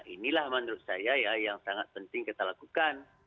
inilah menurut saya ya yang sangat penting kita lakukan